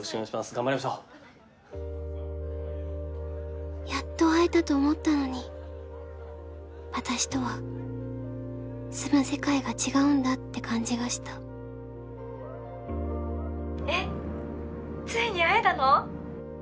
頑張りましょうやっと会えたと思ったのに私とは住む世界が違うんだって感じがした☎えっついに会えたの？